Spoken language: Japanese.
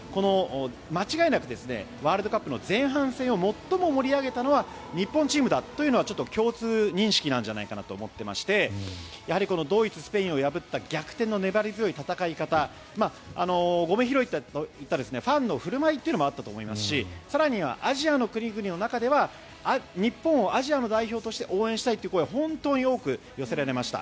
間違いなくワールドカップの前半戦を最も盛り上げたのは日本チームだというのは共通認識なんじゃないかなと思っていましてドイツ、スペインを破った逆転の粘り強い戦い方ゴミ拾いといったファンの振る舞いというのもあったと思いますし更にはアジアの国々の中では日本をアジアの代表として応援したいという声は本当に多く寄せられました。